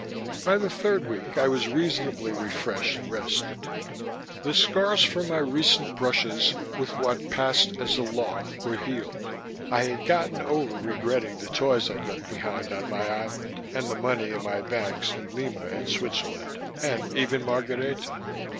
By the third week I was reasonably refreshed and rested. The scars from my recent brushes with what passed as the law were healed. I had gotten over regretting the toys I'd left behind on my island and the money in my banks in Lima and Switzerland, and even Margareta.